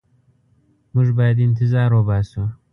موږ باید انتظار وباسو.